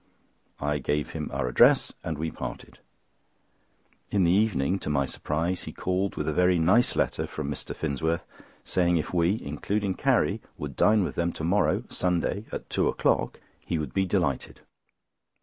I gave him our address, and we parted. In the evening, to my surprise, he called with a very nice letter from Mr. Finsworth, saying if we (including Carrie) would dine with them to morrow (Sunday), at two o'clock, he would be delighted.